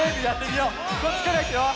こっちからいくよ！